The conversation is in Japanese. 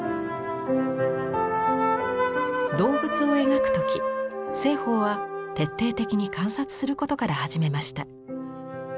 動物を描く時栖鳳は徹底的に観察することから始めました。